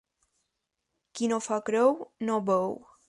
Qui no fa creu, no beu.